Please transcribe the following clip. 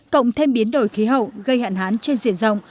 cộng thêm biến đổi khí hậu gây hạn hán trên diện rộng